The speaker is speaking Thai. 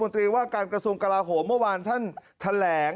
และรัฐบุรติว่าการกระทรวงกลาโหมเมื่อวานท่านแถลง